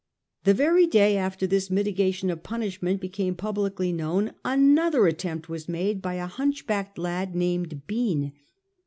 The very day after this mitigation of punishment became publicly known another attempt was made by a hunch backed lad named Bean.